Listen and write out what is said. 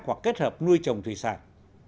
hoặc kết hợp nuôi trồng thủy sản